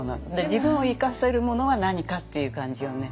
自分を生かせるものは何かっていう感じをね